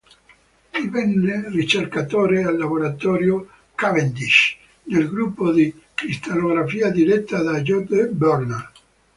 Divenne ricercatore al Laboratorio Cavendish, nel gruppo di cristallografia diretto da J. D. Bernal.